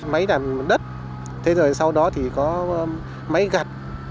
máy đàn đất thế rồi sau đó thì có máy gạt